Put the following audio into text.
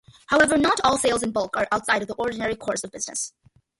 However, not all sales in bulk are outside of the ordinary course of business.